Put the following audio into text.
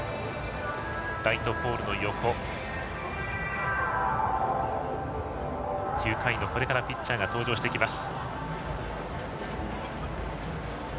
ライトポールの横から９回のピッチャーが登場してきます。